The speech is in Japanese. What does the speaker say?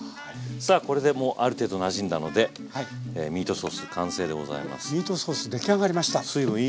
さあこれでもうある程度なじんだのでミートソース完成でございます。